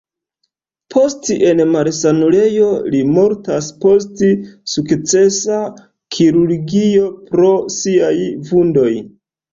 Post en malsanulejo li mortas post sukcesa kirurgio pro siaj vundoj.